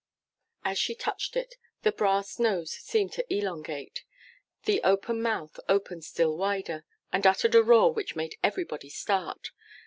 As she touched it, the brass nose seemed to elongate, the open mouth opened still wider, and uttered a roar which made everybody start.